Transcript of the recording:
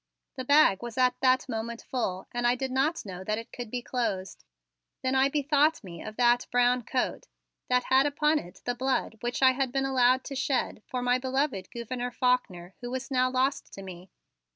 The bag was at that moment full and I did not know that it could be closed. Then I bethought me of that brown coat that had upon it the blood which I had been allowed to shed for my beloved Gouverneur Faulkner who was now lost to me.